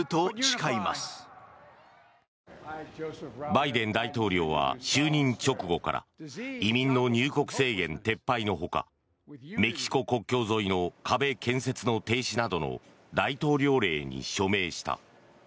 バイデン大統領は就任直後から移民の入国制限撤廃のほかメキシコ国境沿いの壁建設の停止などの大統領令に署名した。